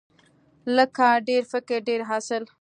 لږ کار، ډیر فکر، ډیر حاصل.